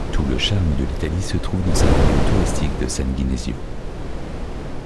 Tout le charme de l'Italie se trouve dans cette vidéo touristique de San Ginesio.